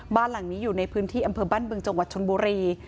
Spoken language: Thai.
บ้านหลังนี้อยู่ในพื้นที่อำเภอบ้านบึงจังหวัดชนบุรี